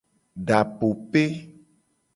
Dapope.